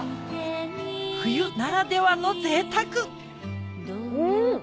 冬ならではのぜいたくうん！